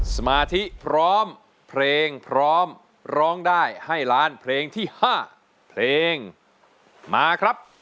สมาธิพร้อมเพลงพร้อมร้องได้ให้ล้านเพลงที่๕เพลงมาครับ